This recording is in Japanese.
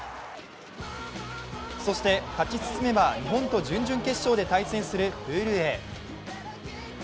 そして勝ち進めば日本と準々決勝で対戦するプールＡ。